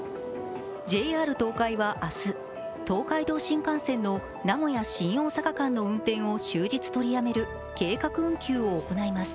ＪＲ東海は明日、東海道新幹線の名古屋−新大阪間の運転を終日取りやめる計画運休を行います。